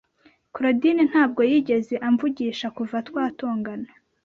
Claudine ntabwo yigeze amvugisha kuva twatongana.